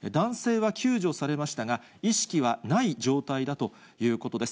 男性は救助されましたが、意識はない状態だということです。